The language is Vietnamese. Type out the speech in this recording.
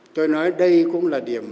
tôi nói đây cũng là điểm mới